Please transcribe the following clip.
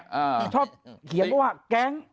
เขาชอบเขียนว่าแก๊ง